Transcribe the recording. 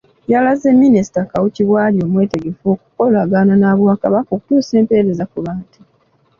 Yalaze Minisita Kawuki bw'ali omwetegefu okukolagana n'Obwakabaka okutuusa empeereza ku bantu